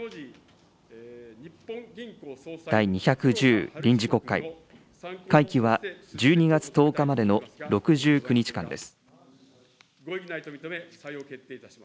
第２１０臨時国会、会期は１２月１０日までの６９日間です。